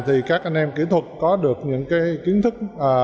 thì các anh em kỹ thuật có được những cái kiến thức